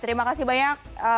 terima kasih banyak